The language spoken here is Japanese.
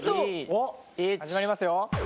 おっ始まりますよ！